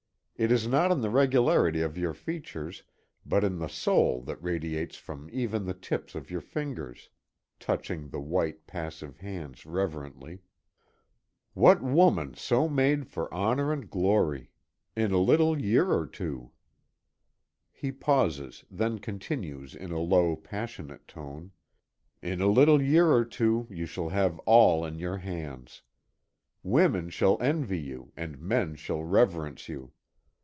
It is not in the regularity of your features, but in the soul that radiates from even the tips of your fingers," touching the white, passive hands reverently. "What woman so made for honor and glory! In a little year or two!" He pauses, then continues in a low, passionate tone: "In a little year or two you shall have all in your hands. Women shall envy you and men shall reverence you.